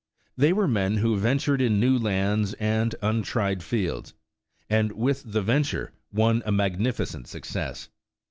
They were men who ventured in new lands and untried fields, and with the venture won a magnificent success.